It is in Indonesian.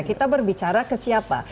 kita berbicara ke siapa